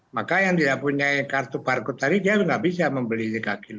maka yang tidak punya kartu barcode tadi dia nggak bisa membeli tiga kg